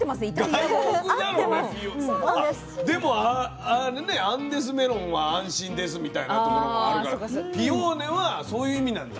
でもアンデスメロンは「安心です」みたいなところもあるからピオーネはそういう意味なんだ。